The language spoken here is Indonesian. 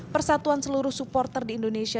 persatuan seluruh supporter di indonesia